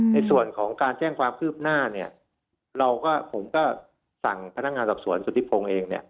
ในส่วนของการแจ้งความคืบหน้าเนี่ยเราก็ผมก็สั่งพนักงานสอบสวนสุธิพงศ์เองเนี่ย